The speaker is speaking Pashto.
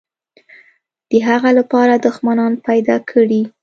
د هغه لپاره دښمنان پیدا کړي.